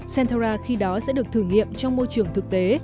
centra khi đó sẽ được thử nghiệm trong môi trường thực tế